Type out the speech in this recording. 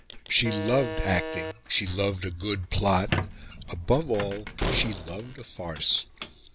She loved acting; she loved a good plot; above all, she loved a farce.